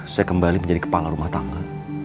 saya kembali menjadi kepala rumah tangga